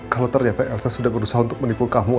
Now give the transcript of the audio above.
kalau ternyata elsa sudah berusaha untuk menipu kamu